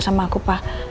sama aku pak